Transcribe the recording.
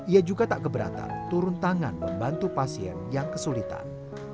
ia juga tak keberatan turun tangan membantu pasien yang kesulitan